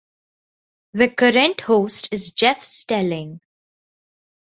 The current host is Jeff Stelling.